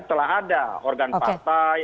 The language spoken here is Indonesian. telah ada organ partai